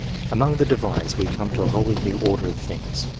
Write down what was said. Among the Divines we come to a wholly new order of things.